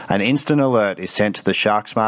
aliran langsung dihantar ke aplikasi shark smart